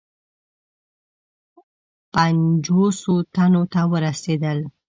پنجوسو تنو ته ورسېدل.